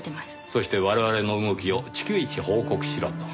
そして我々の動きを逐一報告しろと？